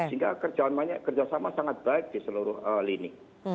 sehingga kerjasama sangat baik di seluruh lini